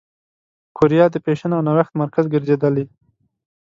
کوریا د فېشن او نوښت مرکز ګرځېدلې.